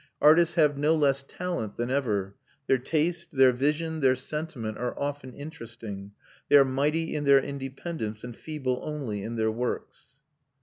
Artists have no less talent than ever; their taste, their vision, their sentiment are often interesting; they are mighty in their independence and feeble only in their works.